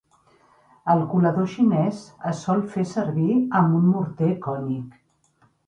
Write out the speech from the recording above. El colador xinès es sol fer servir amb un morter cònic.